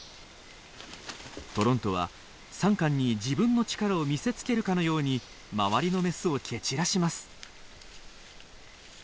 トロントはサンカンに自分の力を見せつけるかのように周りのメスを蹴散らします。